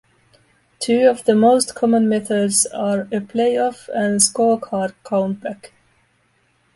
Two of the more common methods are a playoff and scorecard count back.